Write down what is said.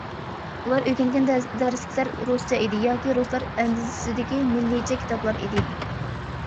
ئۇلار ئۆگەنگەن دەرسلىكلەر رۇسچە ئىدى ياكى رۇسلار ئەندىزىسىدىكى مىللىيچە كىتابلار ئىدى.